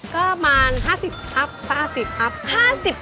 ก็มา๕๐ครับ